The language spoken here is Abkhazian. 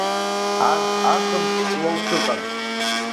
Арҭ ахымш Ҷлоу сыҟан.